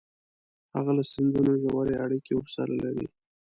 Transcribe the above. هغه له سندونو ژورې اړیکې ورسره لري